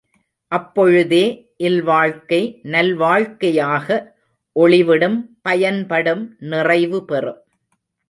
அப்பொழுதே இல்வாழ்க்கை நல்வாழ்க்கையாக ஒளிவிடும் பயன்படும் நிறைவுபெறும்.